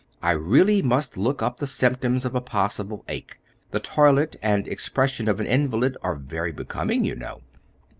I really must look up the symptoms of a possible ache; the toilet and expression of an invalid are very becoming, you know."